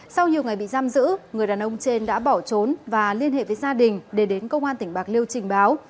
sau nhiều ngày bị giam giữ người đàn ông trên đã bỏ trốn và liên hệ với gia đình để đến công an tỉnh bạc liêu trình báo